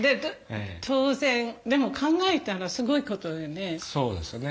当然でも考えたらすごい事よね。